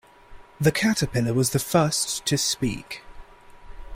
The Caterpillar was the first to speak.